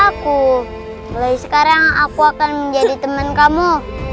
aku mulai sekarang aku akan menjadi temen kamu